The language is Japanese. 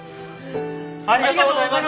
ありがとうございます！